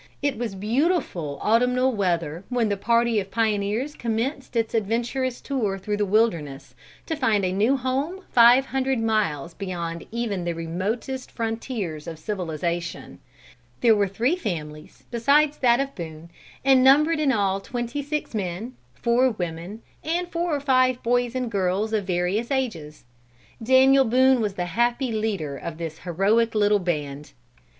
It was beautiful autumnal weather when the party of pioneers commenced its adventurous tour through the wilderness, to find a new home five hundred miles beyond even the remotest frontiers of civilization. There were three families besides that of Boone, and numbered in all twenty six men, four women, and four or five boys and girls of various ages. Daniel Boone was the happy leader of this heroic little band.